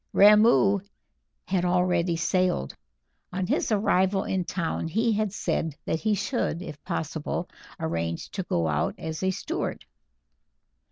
Ramoo had already sailed. On his arrival in town he had said that he should, if possible, arrange to go out as a steward.